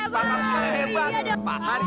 berengah aku bernama macan